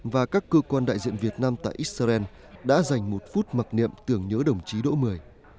và các cơ quan đại diện việt nam tại israel đã dành một phút mặc niệm tưởng nhớ đồng chí độ một mươi